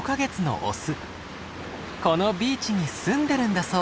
このビーチに住んでるんだそう。